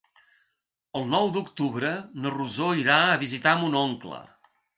El nou d'octubre na Rosó irà a visitar mon oncle.